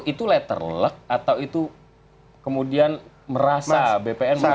itu letter luck atau itu kemudian merasa bpn merasa